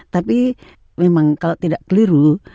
tapi memang kalau tidak keliru